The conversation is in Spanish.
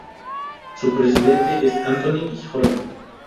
Su presidente es Anthony Holden.